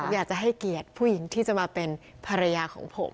อยากจะให้เกียรติผู้หญิงที่จะมาเป็นภรรยาของผม